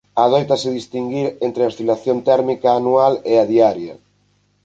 Adoitase distinguir entre a oscilación térmica anual e a diaria.